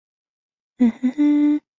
我也有带来